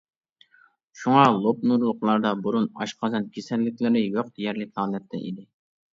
شۇڭا لوپنۇرلۇقلاردا بۇرۇن ئاشقازان كېسەللىكلىرى يوق دېيەرلىك ھالەتتە ئىدى.